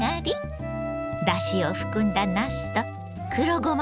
だしを含んだなすと黒ごま